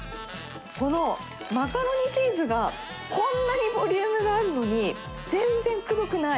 このマカロニチーズが、こんなにボリュームがあるのに、全然くどくない。